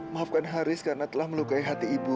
maafkan haris karena telah melukai hati ibu